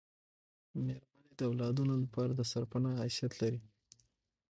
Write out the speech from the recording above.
میرمنې د اولادونو لپاره دسرپنا حیثیت لري